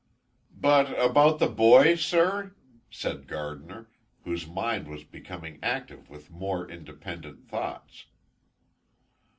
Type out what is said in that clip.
"But about the boy, sir?" said Gardiner, whose mind was becoming active with more independent thoughts.